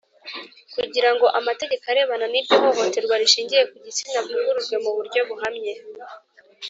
kugira ngo amategeko arebana n’iryo hohoterwa rishingiye ku gitsina avugururwe mu buryo buhamye.